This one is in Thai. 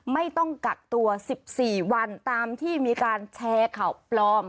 ไม่ต้องกักตัว๑๔วันตามที่มีการแชร์ข่าวปลอม